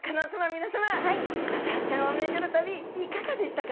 皆さまドジョウちゃんを巡る旅いかがでしたか？